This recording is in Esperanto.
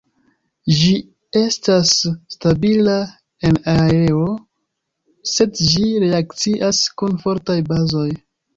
Ĝi estas stabila en aero sed ĝi reakcias kun fortaj bazoj.